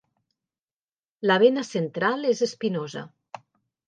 La vena central és espinosa.